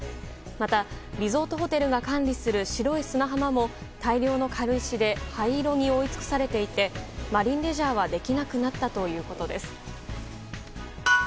また、リゾートホテルが管理する白い砂浜も大量の軽石で灰色に覆い尽くされていてマリンレジャーはできなくなったということです。